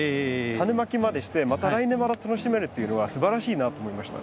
種まきまでしてまた来年また楽しめるっていうのはすばらしいなと思いました。